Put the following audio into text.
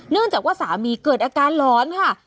เนื่องจากว่าสามีเกิดอาการร้อนนะคะ